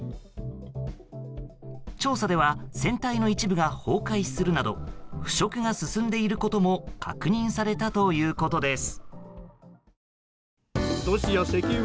調査では船体の一部が崩壊するなど腐食が進んでいることも確認されたということです。